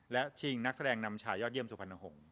และชิงนักแสดงนำชายยอดเยี่ยมสุพรรณหงษ์